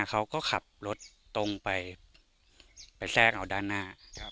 เขาก็ขับรถตรงไปไปแทรกเอาด้านหน้า